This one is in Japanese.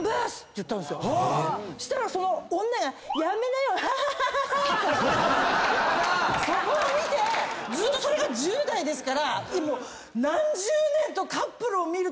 したらその女が。そこを見てずっとそれが１０代ですから。